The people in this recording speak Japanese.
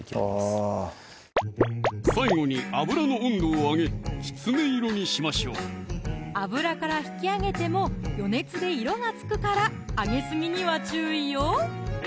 あ最後に油の温度を上げきつね色にしましょう油から引き上げても余熱で色がつくから揚げすぎには注意よ